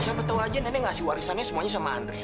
siapa tau aja nenek ngasih warisannya semuanya sama andri